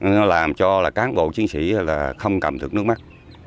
nó làm cho là cán bộ chiến sĩ là không cầm được nước mắt